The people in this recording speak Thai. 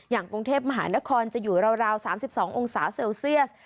กรุงเทพมหานครจะอยู่ราว๓๒องศาเซลเซียส